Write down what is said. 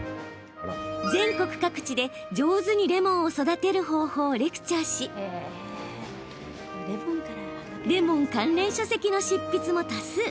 全国各地で上手にレモンを育てる方法をレクチャーしレモン関連書籍の執筆も多数。